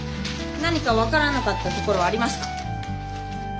何か分からなかったところはありますか？